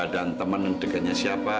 dan temen mendekatnya siapa